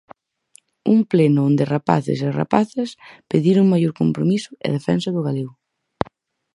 Un pleno onde rapaces e rapazas pediron maior compromiso e defensa do galego.